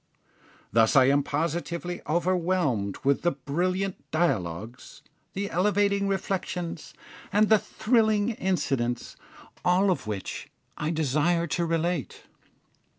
Thus I am positively overwhelmed with the brilliant dialogues, the elevating reflections, and the thrilling incidents, all of which I desire to relate.